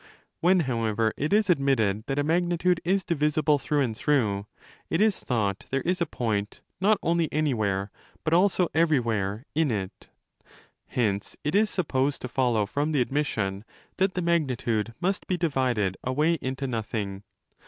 When, however, it is ad mitted that a magnitude is ' divisible through and through', it is thought there is a point not only anywhere, but also everywhere, in it: hence it is supposed to follow, from the admission, that the magnitude must be divided away into nothing.